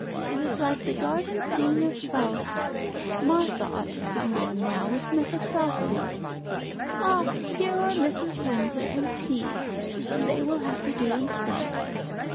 It is like the garden scene of 'Faust.' Martha ought to come on now with Mephistopheles. Ah! here are Mrs. Windsor and tea. They will have to do instead."